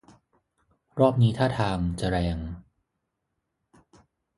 รอบนี้ท่าทาง จะแรง